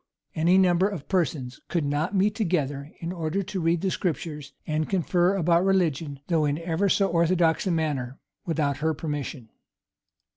Any number of persons could not meet together, in order to read the Scriptures and confer about religion, though in ever so orthodox a manner, without her permission.